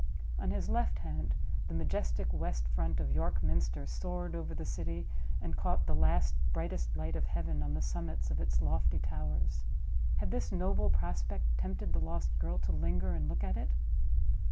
On his left hand, the majestic west front of York Minster soared over the city and caught the last brightest light of heaven on the summits of its lofty towers. Had this noble prospect tempted the lost girl to linger and look at it?